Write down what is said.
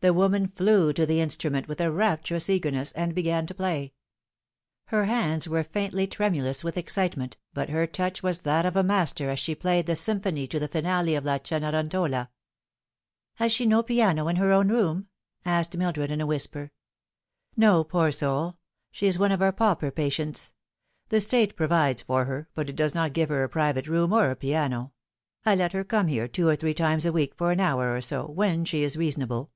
The woman flew to the instrument with a rapturous eagerness, and began to play. Her hands were faintly tremulous with excitement, but her touch was that of a master as she played the symphony to the finale of " La Cenerentola." " Has she no piano in her own room ?" asked Mildred in a whisper. " No, poor soul. She is one of our pauper patients. The A Wrecked Life. 251 State provides for her, but it does not give her a private room or a piano. I let her come here two or three times a week for an hour or so, when she is reasonable."